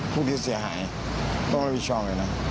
พวกเขาเสียหายต้องระวิชองเลยนะ